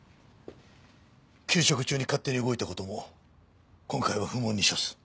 休職中に勝手に動いた事も今回は不問に処す。